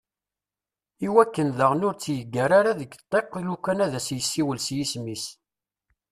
Iwakken d aɣen ur tt-yeggar ara deg ddiq lukan ad as-isiwel s yisem-is.